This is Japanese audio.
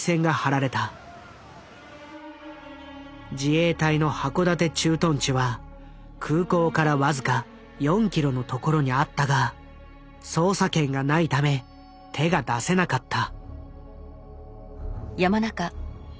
自衛隊の函館駐屯地は空港から僅か４キロのところにあったが捜査権がないため手が出せなかった。